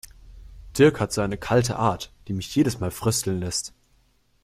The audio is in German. Dirk hat so eine kalte Art, die mich jedes Mal frösteln lässt.